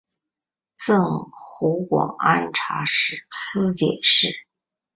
赠湖广按察使司佥事。